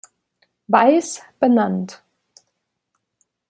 Weiss" benannt.